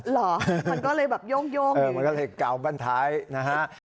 เหรอมันก็เลยแบบโย่งมันก็เลยเกาบ้านท้ายนะฮะ